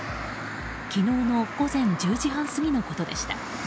昨日の午前１０時半過ぎのことでした。